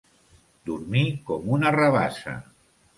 Dormir com una rabassa.